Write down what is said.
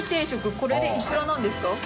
これでいくらなんですか？